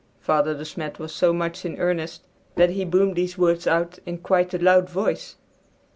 Father De Smet was so much in earnest that he boomed these words out in quite a loud voice.